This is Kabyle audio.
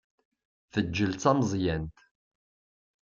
Teǧǧel d tameẓyant.